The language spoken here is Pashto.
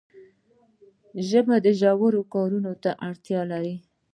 ژبه ژورو کارونو ته اړتیا لري.